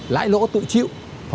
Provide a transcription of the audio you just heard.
lãi lỗ tự chịu